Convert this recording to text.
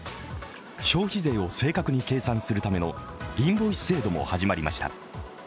消費税を正確に計算するためのインボイス制度も始まりました。